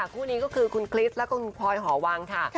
คู่นี้ก็คือคุณคริสแล้วก็คุณพลอยหอวังค่ะ